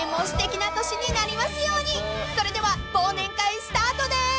［それでは忘年会スタートです！］